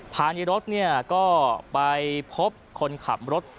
ผ่านในรถเนี่ยก็ไปพบคนขับรถ